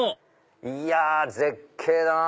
いや絶景だなぁ。